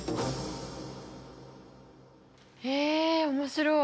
へえ面白い。